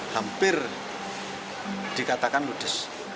hampir dikatakan ludis